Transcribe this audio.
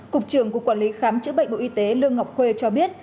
cục trưởng cục quản lý khám chữa bệnh bộ y tế lương ngọc khuê cho biết